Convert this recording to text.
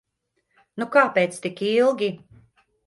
Nu kāpēc tik ilgi?